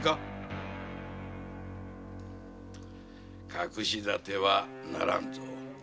隠し立てはならんぞ。